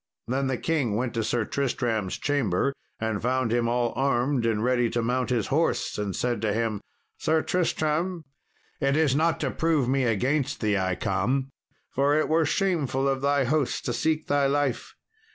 Then the king went to Sir Tristram's chamber and found him all armed and ready to mount his horse, and said to him, "Sir Tristram, it is not to prove me against thee I come, for it were shameful of thy host to seek thy life.